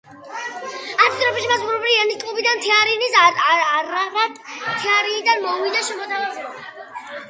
ასეთ ვითარებაში მას მეზობელი ირანის კლუბიდან, თეირანის არარატ თეირანიდან მოუვიდა შემოთავაზება.